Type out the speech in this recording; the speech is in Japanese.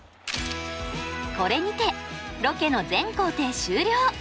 これにてロケの全行程終了。